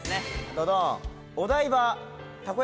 ドドン！